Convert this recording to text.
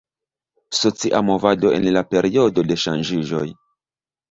Socia movado en la periodo de ŝanĝiĝoj.